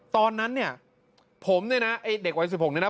ตอนนั้นเนี่ยผมเนี่ยนะไอ้เด็กวัย๑๖เนี่ยนะ